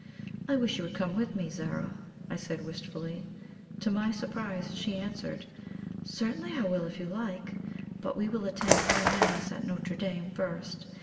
"I wish you would come with me, Zara," I said wistfully. To my surprise, she answered: "Certainly I will, if you like. But we will attend High Mass at Notre Dame first.